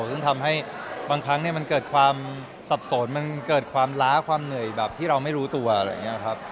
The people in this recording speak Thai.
ซึ่งทำให้บางครั้งมันเกิดความสับสนมันเกิดความล้าความเหนื่อยแบบที่เราไม่รู้ตัวอะไรอย่างนี้ครับ